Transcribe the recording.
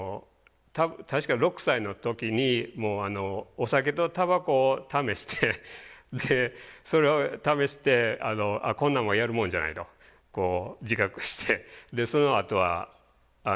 確か６歳の時にもうお酒とタバコを試してでそれを試して「こんなもんやるもんじゃない」と自覚してそのあとはやめたんですけど。